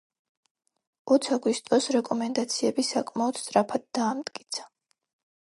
ოც აგვისტოს, რეკომენდაციები საკმაოდ სწრაფად დაამტკიცა.